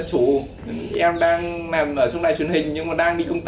thôi phát biện ngay